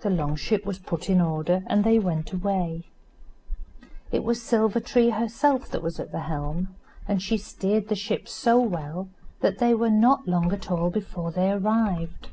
The long ship was put in order, and they went away. It was Silver tree herself that was at the helm, and she steered the ship so well that they were not long at all before they arrived.